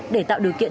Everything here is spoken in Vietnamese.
để tạo điều kiện